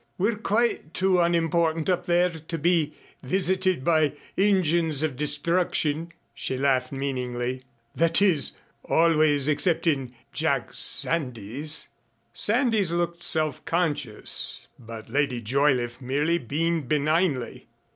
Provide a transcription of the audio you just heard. We're quite too unimportant up there to be visited by engines of destruction " she laughed meaningly. "That is always excepting Jack Sandys." Sandys looked self conscious, but Lady Joyliffe merely beamed benignly.